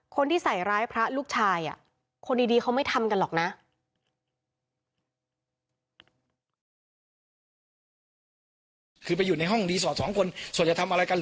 คนที่ใส่ร้ายพระลูกชายคนดีเขาไม่ทำกันหรอกนะ